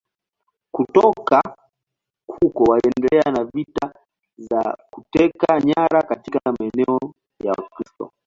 Kutoka huko waliendelea na vita za kuteka nyara katika maeneo ya Wakristo.